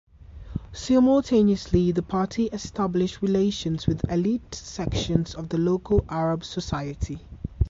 Simultaneously the party establish relations with elite sections of the local Arab society.